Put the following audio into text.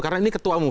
karena ini ketua umum